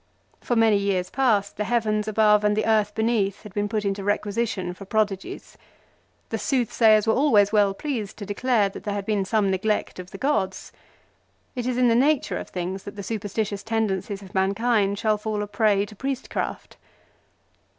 For many years past the heavens above and the earth beneath had been put into requisition for prodigies. 1 The soothsayers were always well pleased to declare that there had been some neglect of the gods. It is in the nature of things that the superstitious tendencies of mankind shall fall a prey to priestcraft.